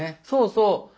そうそう。